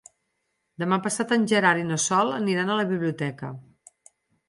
Demà passat en Gerard i na Sol aniran a la biblioteca.